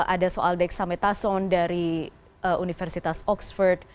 ada soal dexamethason dari universitas oxford